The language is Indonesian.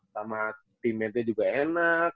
sama timnya juga enak